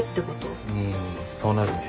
うんそうなるね。